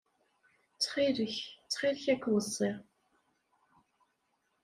Ttxil-k, ttxil-k ad k-weṣṣiɣ.